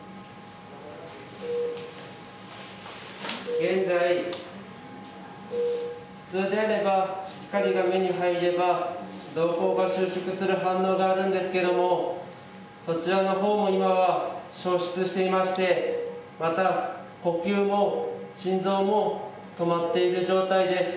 現在普通であれば光が目に入れば瞳孔が収縮する反応があるんですけどもそちらのほうも今は消失していましてまた呼吸も心臓も止まっている状態です。